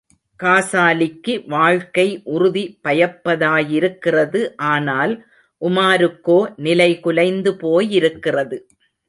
காசாலிக்கு வாழ்க்கை உறுதி பயப்பதாயிருக்கிறது ஆனால் உமாருக்கோ நிலைகுலைந்து போயிருக்கிறது.